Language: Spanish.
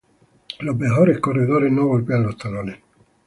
Los mejores corredores no golpean los talones.